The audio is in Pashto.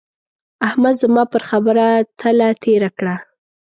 احمد زما پر خبره تله تېره کړه.